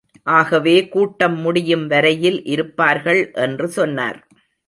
ஆகவே கூட்டம் முடியும் வரையில் இருப்பார்கள் என்று சொன்னார்.